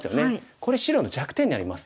これ白の弱点になります。